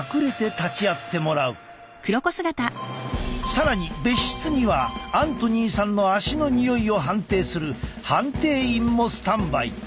更に別室にはアントニーさんの足のにおいを判定する判定員もスタンバイ。